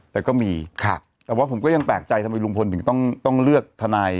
แต่ก็มีครับแต่ว่าผมก็ยังแปลกใจทำไมลุงพลถึงต้องเลือกทนาย